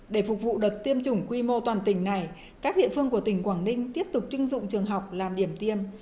để phục vụ đợt tiêm chủng quy mô toàn tỉnh này các địa phương của tỉnh quảng ninh tiếp tục chưng dụng trường học làm điểm tiêm